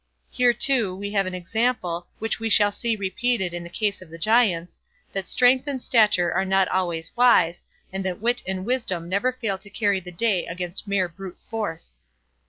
Here, too, we have an example, which we shall see repeated in the case of the giants, that strength and stature are not always wise, and that wit and wisdom never fail to carry the day against mere brute force.